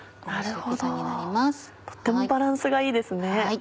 とってもバランスがいいですね。